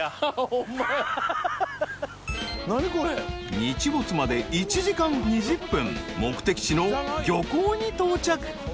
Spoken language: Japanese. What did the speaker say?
日没まで１時間２０分目的地の漁港に到着